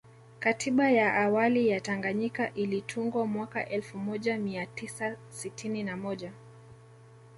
Katiba ya awali ya Tanganyika ilitungwa mwaka elfu moja mia tisa sitini na moja